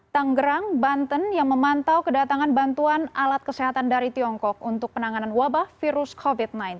tanggerang banten yang memantau kedatangan bantuan alat kesehatan dari tiongkok untuk penanganan wabah virus covid sembilan belas